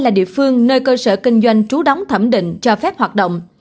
là địa phương nơi cơ sở kinh doanh trú đóng thẩm định cho phép hoạt động